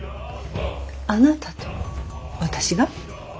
あなたと私が？